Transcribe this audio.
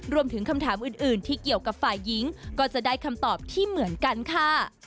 รวมถึงคำถามอื่นที่เกี่ยวกับฝ่ายหญิงก็จะได้คำตอบที่เหมือนกันค่ะ